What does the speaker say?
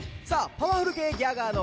パワフル系ギャガーの